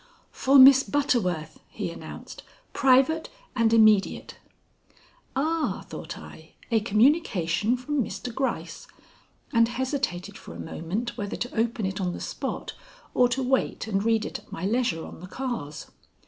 "For Miss Butterworth," he announced. "Private and immediate." "Ah," thought I, "a communication from Mr. Gryce," and hesitated for a moment whether to open it on the spot or to wait and read it at my leisure on the cars.